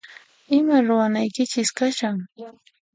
Iman ruwanaykichis kashan?